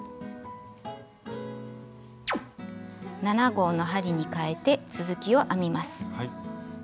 ７／０号の針にかえて続きを編みます。